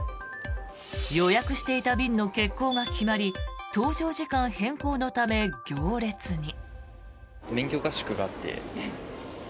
予約していた便の欠航が決まり搭乗時間変更のため、行列に。